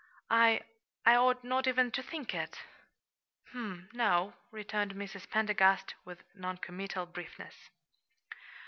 I I ought not even to think it." "Hm m; no," returned Mrs. Pendergast, with noncommittal briefness.